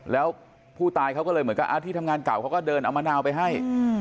แล้วผู้ตายเขาก็เลยเหมือนกับที่ทำงานเก่าเขาก็เดินเอามะนาวไปให้